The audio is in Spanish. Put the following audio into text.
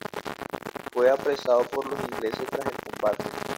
Fue apresado por los ingleses tras el combate.